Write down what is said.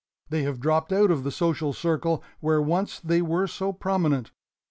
They have dropped out of the social circle where once they were so prominent.